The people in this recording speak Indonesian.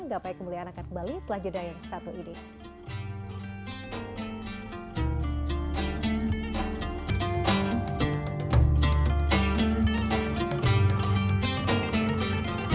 gapai kemuliaan akan kembali setelah jeda yang satu ini